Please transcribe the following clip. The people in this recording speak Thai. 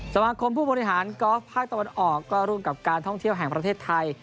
สมาคมผู้บริหารกอล์ฟภาคตะวันออกก็ร่วมกับการท่องเที่ยวแห่งประเทศไทย